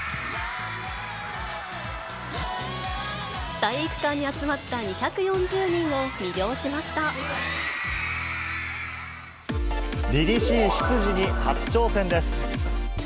体育館に集まった２４０人をりりしい執事に初挑戦です。